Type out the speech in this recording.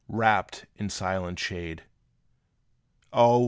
wrapped in silent shade! O!